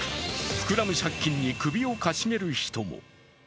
膨らむ借金に首をかしげる人も。